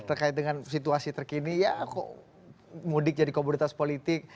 terkait dengan situasi terkini ya kok mudik jadi komoditas politik